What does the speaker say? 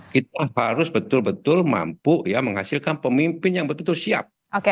kita harus betul betul mampu ya menghasilkan pemimpin yang betul betul siap